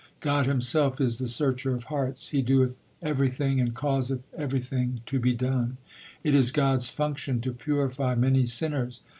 God Himself is the Searcher of hearts ; He doeth every thing and causeth everything to be done. It is God s function to purify many sinners.